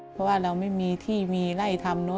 เพราะว่าเราไม่มีที่มีไล่ทำเนอ